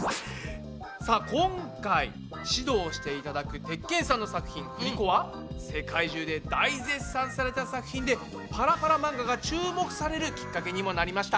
さあ今回指導していただく鉄拳さんの作品「振り子」は世界中で大絶賛された作品でパラパラ漫画が注目されるきっかけにもなりました。